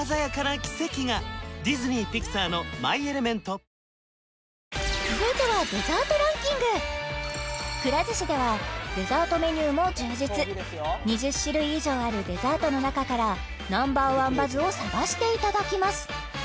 ＢＥＴＨＥＣＨＡＮＧＥ三井不動産続いてはデザートランキングくら寿司ではデザートメニューも充実２０種類以上あるデザートの中からＮｏ．１バズを探していただきます